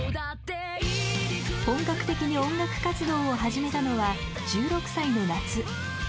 本格的に音楽活動を始めたのは１６歳の夏。